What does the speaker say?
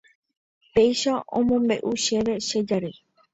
Péicha omombeʼu chéve che jarýi.